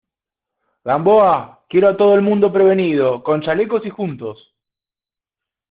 Gamboa, quiero a todo el mundo prevenido , con chalecos y juntos.